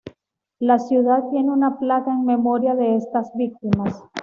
La ciudad tiene una placa en memoria de estas víctimas.